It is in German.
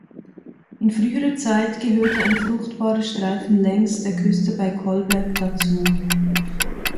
In früherer Zeit gehörte ein fruchtbarer Streifen längs der Küste bei Kolberg dazu.